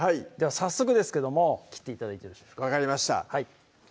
早速ですけども切って頂いて分かりました